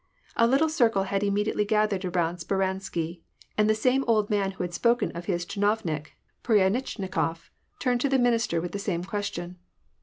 A little circle had immediately gathered around Speransky ; and the same old man who had spoken of his chinovnik, Pryanitehnikof, turned to the minister with the same question.